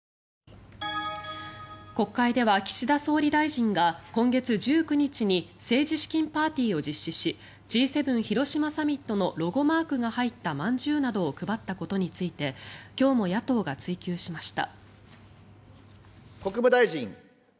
国会では岸田総理大臣が今月１９日に政治資金パーティーを実施しＧ７広島サミットのロゴマークが入ったまんじゅうなどを配ったことについて今日も野党が追及しました。